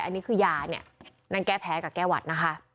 อันนี้คือยานางแก้แพ้กับแก้หวัดนะคะ